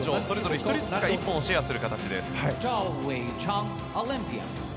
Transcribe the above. それぞれ１人ずつがシェアする形です。